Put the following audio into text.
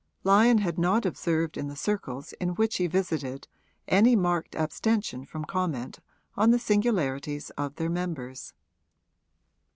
Lyon had not observed in the circles in which he visited any marked abstention from comment on the singularities of their members.